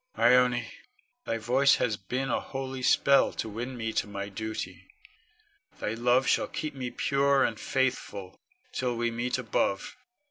Ione, thy voice hath been a holy spell to win me to my duty. Thy love shall keep me pure and faithful, till we meet above.